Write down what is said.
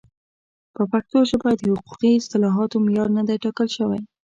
په پښتو ژبه د حقوقي اصطلاحاتو معیار نه دی ټاکل شوی.